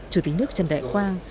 chủ tịch nước trần đại quang